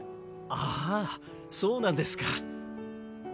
ああそうなんですか。